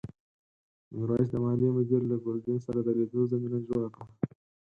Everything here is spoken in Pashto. میرويس د مالیې مدیر له ګرګین سره د لیدو زمینه جوړه کړه.